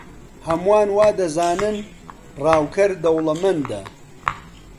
هەمووان وا دەزانن ڕاوکەر دەوڵەمەندە.